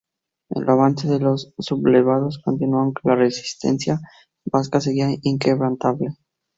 El avance de los sublevados continuó, aunque la resistencia vasca seguía inquebrantable.